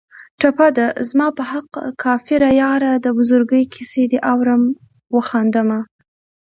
ټپه ده: زما په حق کافره یاره د بزرګۍ کیسې دې اورم و خاندمه